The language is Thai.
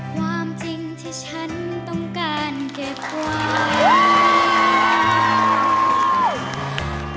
ความจริงที่ฉันต้องการเก็บไว้